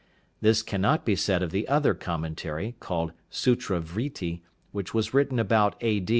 This cannot be said of the other commentary, called "Sutra vritti," which was written about A.